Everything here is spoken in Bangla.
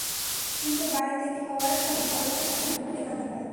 কিন্তু বাড়ি থেকে বের হওয়ার সময় সড়কটির কথা মনে পড়লেই কান্না পায়।